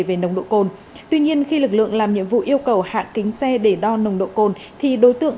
về nồng độ cồn tuy nhiên khi lực lượng làm nhiệm vụ yêu cầu hạ kính xe để đo nồng độ cồn thì đối tượng